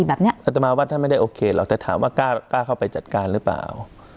แบบเนี้ยอัตมาวัดท่านไม่ได้โอเคหรอกแต่ถามว่ากล้าเข้าไปจัดการหรือเปล่า